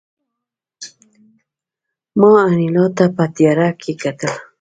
ما انیلا ته په تیاره کې کتل